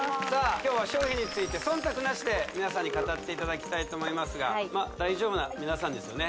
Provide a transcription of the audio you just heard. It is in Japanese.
今日は商品について忖度なしで皆さんに語っていただきたいと思いますがまあ大丈夫な皆さんですよね